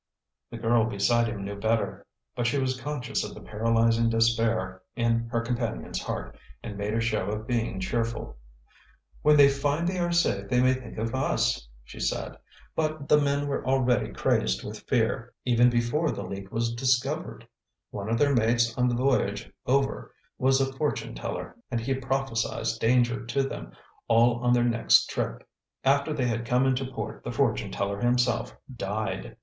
The girl beside him knew better, but she was conscious of the paralyzing despair in her companion's heart, and made a show of being cheerful. "When they find they are safe they may think of us," she said. "But the men were already crazed with fear, even before the leak was discovered. One of their mates on the voyage over was a fortune teller, and he prophesied danger to them all on their next trip. After they had come into port, the fortune teller himself died.